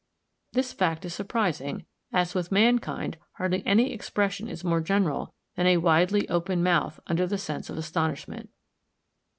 This fact is surprising, as with mankind hardly any expression is more general than a widely open mouth under the sense of astonishment.